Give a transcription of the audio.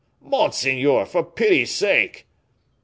monseigneur! for pity's sake!"